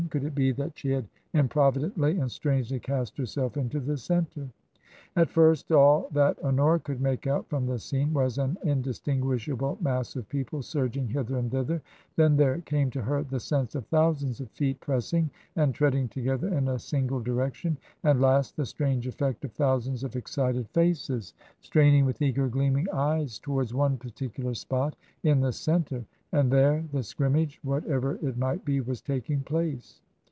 Could it be that she had improvidently and strangely cast herself into the centre ? At first all that Honora could make out from the scene was an indistin guishable mass of people surging hither and thither, then there came to her the sense of thousands of feet pressing and treading together in a single direction, and last the strange effect of thousands of excited faces straining with eager gleaming eyes towards one particu lar spot in the centre, and there the scrimmage, what ever it might be, was taking place.